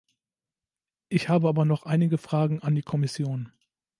Ich habe aber noch einige Fragen an die Kommission.